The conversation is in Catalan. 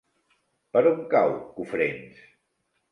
Per on cau Cofrents?